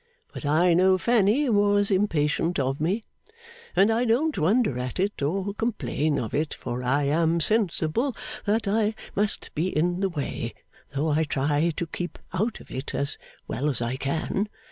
But I know Fanny was impatient of me. And I don't wonder at it, or complain of it, for I am sensible that I must be in the way, though I try to keep out of it as well as I can.